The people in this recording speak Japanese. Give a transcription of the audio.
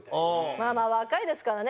まあまあ若いですからね。